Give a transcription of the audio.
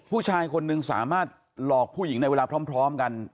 ผู้ชายคนหนึ่งสามารถหลอกผู้หญิงในเวลาพร้อมกัน